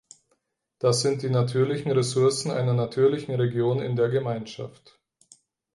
Dies sind die natürlichen Ressourcen einer natürlichen Region in der Gemeinschaft.